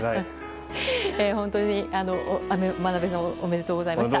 本当に真鍋さんおめでとうございました。